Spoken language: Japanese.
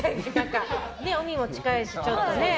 海も近いしちょっとね。